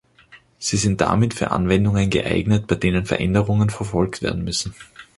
Sie sind damit für Anwendungen geeignet, bei denen Veränderungen verfolgt werden müssen.